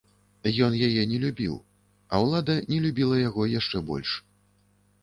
Ён яе не любіў, а ўлада не любіла яго яшчэ больш!